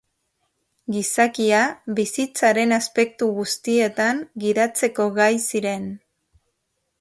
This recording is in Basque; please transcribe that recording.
Gizakia bizitzaren aspektu guztietan gidatzeko gai ziren.